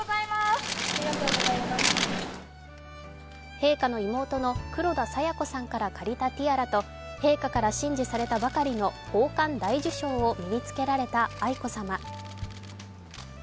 陛下の妹の黒田清子さんから借りたティアラと陛下から親授されたばかりの宝冠大綬章を身につけられた愛子さま。